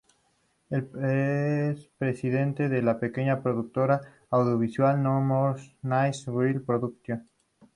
Es presidenta de la pequeña productora audiovisual No More Nice Girls Productions.